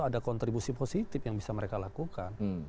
ada kontribusi positif yang bisa mereka lakukan